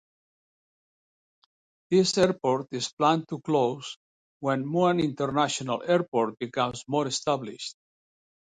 This airport is planned to close when Muan International Airport becomes more established.